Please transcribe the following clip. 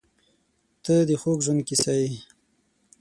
• ته د خوږ ژوند کیسه یې.